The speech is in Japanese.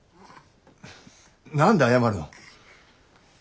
何で謝るの？